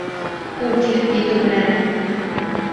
Ул килеп етеү менән: